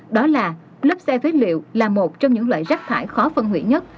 đó là lốp xe phế liệu là một trong những loại rác thải khó phân hủy nhất